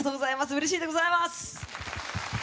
うれしいでございます。